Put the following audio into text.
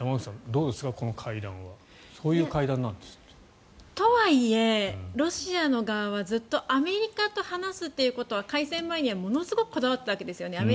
どうですか、この会談は。とはいえロシア側はずっとアメリカと話すということは開戦前にはものすごくこだわっていたわけですよね。